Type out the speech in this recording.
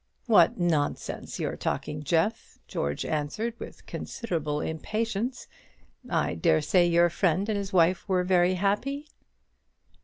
"What nonsense you're talking, Jeff!" George answered, with considerable impatience. "I dare say your friend and his wife were very happy?"